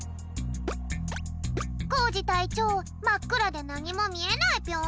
コージたいちょうまっくらでなにもみえないぴょん。